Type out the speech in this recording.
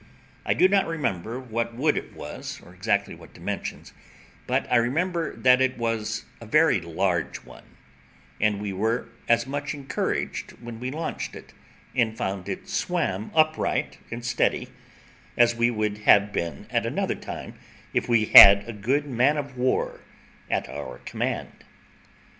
I do not remember what wood it was, or exactly what dimensions, but I remember that it was a very large one, and we were as much encouraged when we launched it, and found it swam upright and steady, as we would have been at another time if we had had a good man of war at our command.